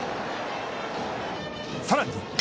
さらに。